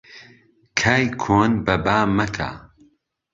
کای کۆن بەبا مەکە